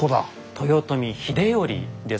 豊臣秀頼です。